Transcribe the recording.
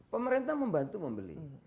pemerintah membantu membeli